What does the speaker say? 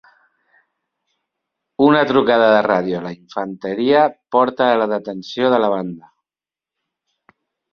Una trucada de ràdio a la infanteria porta a la detenció de la banda.